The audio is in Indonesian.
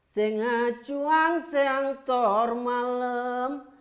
sengacuang seang tor malem